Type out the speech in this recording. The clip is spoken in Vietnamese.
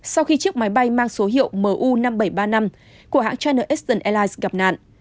sau khi chiếc máy bay mang số hiệu mu năm nghìn bảy trăm ba mươi năm của hãng chiner eston airlines gặp nạn